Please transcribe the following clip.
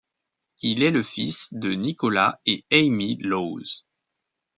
Il est le fils de Nicolas et Amy Lawes.